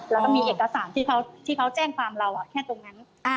แล้วก็มีเอกสารที่เขาแจ้งความเราแค่ตรงนั้น